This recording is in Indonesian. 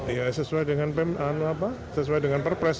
ya sesuai dengan perpres